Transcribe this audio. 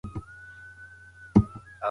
که برس سم وکارول شي، پلاک کمېږي.